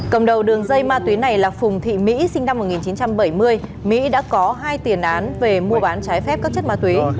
cầm đầu đường dây ma túy này là phùng thị mỹ sinh năm một nghìn chín trăm bảy mươi mỹ đã có hai tiền án về mua bán trái phép các chất ma túy